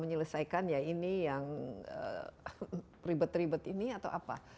menyelesaikan ya ini yang ribet ribet ini atau apa